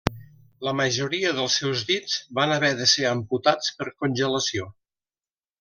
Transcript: La majoria dels seus dits van haver de ser amputats per congelació.